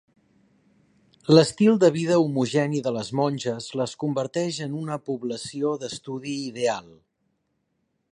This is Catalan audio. L'estil de vida homogeni de les monges les converteix en una població d'estudi ideal.